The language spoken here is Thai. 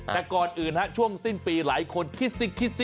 แต่ก่อนอื่นช่วงสิ้นปีหลายคนคิดสิคิดสิ